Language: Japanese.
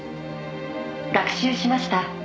「学習しました。